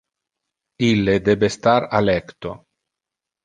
Ille debe star a lecto.